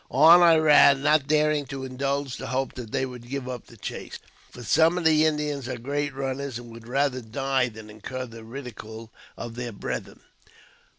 On I ran, not daring to indulge the hope that they would give up the chase, for some of the Indians are great runners, and would rather die than incur the ridicule of their brethren.